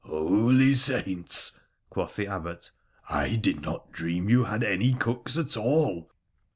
' Holy saints !' quoth the Abbot. ' I did not dream you had any cooks at all.'